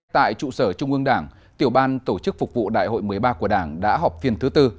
tại trụ sở trung ương đảng tiểu ban tổ chức phục vụ đại hội một mươi ba của đảng đã họp phiên thứ tư